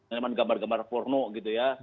dengan gambar gambar porno gitu ya